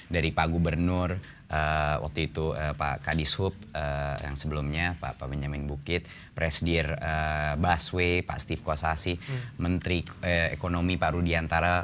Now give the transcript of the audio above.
dari pak gubernur waktu itu pak kadishub yang sebelumnya pak benyamin bukit presidir baswe pak steve kossasi menteri ekonomi pak rudiantara